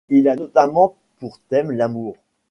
Il a notamment pour thème l'amour.